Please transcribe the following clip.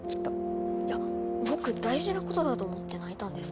いや僕大事なことだと思って泣いたんですけど。